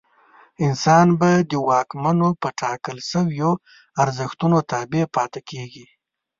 انسان به د واکمنو په ټاکل شویو ارزښتونو تابع پاتې کېږي.